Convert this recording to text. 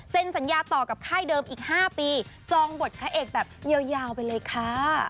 สัญญาต่อกับค่ายเดิมอีก๕ปีจองบทพระเอกแบบยาวไปเลยค่ะ